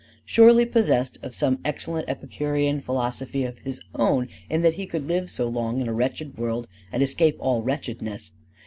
Surely possessed of some excellent Epicurean philosophy of his own in that he could live so long in a wretched world and escape all wretchedness.